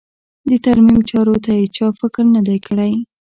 د ترمیم چارو ته یې چا فکر نه دی کړی.